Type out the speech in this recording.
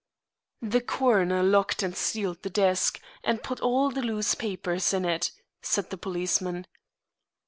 "The coroner locked and sealed the desk, and put all the loose papers in it," said the policeman.